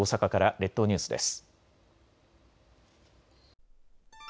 列島ニュースです。